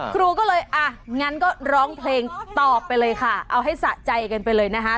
ครูก็เลยอ่ะงั้นก็ร้องเพลงตอบไปเลยค่ะเอาให้สะใจกันไปเลยนะคะ